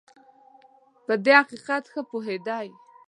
په دې حقیقت ښه پوهېدی.